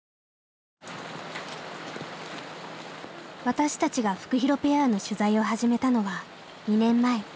私たちがフクヒロペアの取材を始めたのは２年前。